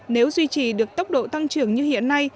nếu duy trì được tốc độ tăng trưởng như hiện nay